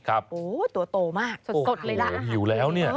โอ้โหตัวโตมากสดสดเลยล่ะโอ้โหหิวแล้วเนี่ย